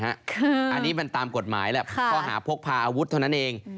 อันนี้มันตามกฎหมายแหละข้อหาพกพาอาวุธเท่านั้นเอง